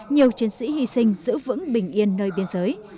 nhiều chiến sĩ hy sinh giữ vững bình yên nơi biên giới